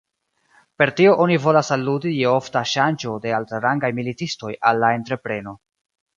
Per tio oni volas aludi je ofta ŝanĝo de altrangaj militistoj al la entrepreno.